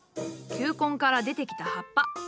球根から出てきた葉っぱ。